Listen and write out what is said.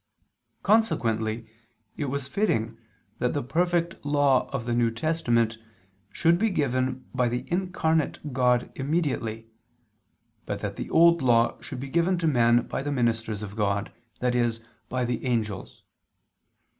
Consequently it was fitting that the perfect law of the New Testament should be given by the incarnate God immediately; but that the Old Law should be given to men by the ministers of God, i.e. by the angels.